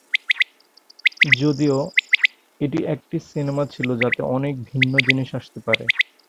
যদিও, এটি একটি সিনেমা ছিল যাতে অনেক ভিন্ন জিনিস আসতে পারে।